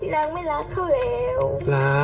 พี่น้ำไม่รักเขาแล้ว